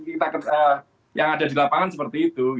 itu yang ada di lapangan seperti itu